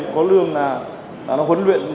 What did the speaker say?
có lương là nó huấn luyện